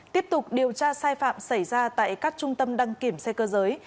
tiếp tục điều tra sai phạm xảy ra tại các trung tâm đăng kiểm xe cơ giới